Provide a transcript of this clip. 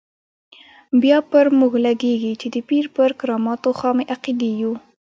بیا پر موږ لګېږي چې د پیر پر کراماتو خامې عقیدې یو.